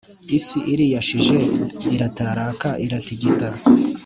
Isi iriyashije, irataraka, iratigita.